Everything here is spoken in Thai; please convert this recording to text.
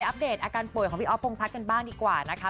อัปเดตอาการป่วยของพี่อ๊อพงพัฒน์กันบ้างดีกว่านะคะ